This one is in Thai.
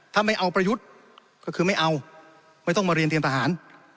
ถ้าไม่เอาประยุทธ์ก็คือไม่เอาไม่ต้องมาเรียนเตรียมทหาร